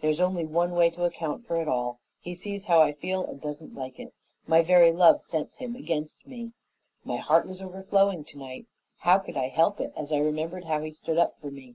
There's only one way to account for it all he sees how I feel and he doesn't like it. My very love sets him against me. My heart was overflowing tonight. How could I help it, as I remembered how he stood up for me?